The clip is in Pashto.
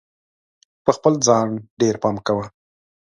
په خپل ځان ډېر پام کوه!